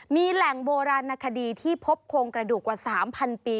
มีแหล่งโบราณนาคดีที่พบโครงกระดูกกว่า๓๐๐ปี